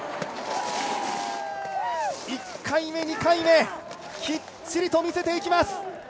１回目、２回目きっちりと見せていきます。